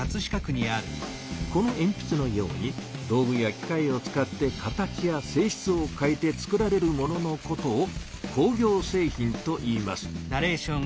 このえんぴつのように道具や機械を使って形やせいしつを変えてつくられるもののことを工業製品といいます。